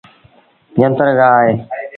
جنتر گآه اهي۔